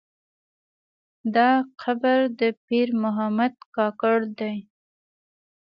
دا قبر د پیر محمد کاکړ دی.